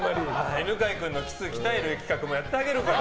犬飼君のキス鍛える企画もやってあげるから。